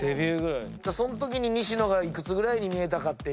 そのときに西野が幾つぐらいに見えたかっていう。